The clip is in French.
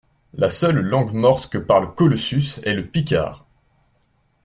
La seule langue morte que parle Colossus est le picard